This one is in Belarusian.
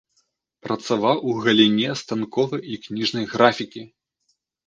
Працаваў у галіне станковай і кніжнай графікі.